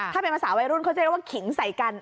ถ้าเป็นภาษาวัยรุ่นเขาจะเรียกว่าขิงใส่กัน